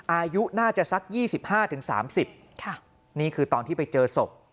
อายุน่าจะสัก๒๕๓๐นี่คือตอนที่ไปเจอศพ